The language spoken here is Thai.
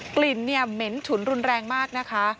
กลิ่นเนี่ยเหม็นฉุนรุนแรงมากนะคะ